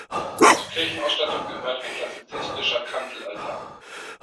Zur Kirchenausstattung gehört ein klassizistischer Kanzelaltar.